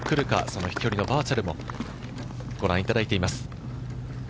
その飛距離のバーチャルもご覧いただいています。